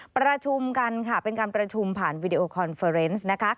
ประชุมกันค่ะเป็นการประชุมผ่านวีดีโอคอนเฟอร์เนสนะคะ